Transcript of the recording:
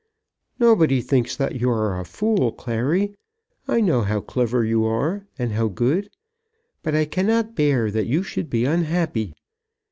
"Nobody thinks that you are a fool, Clary. I know how clever you are, and how good. But I cannot bear that you should be unhappy.